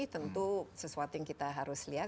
tentu sesuatu yang kita harus lihat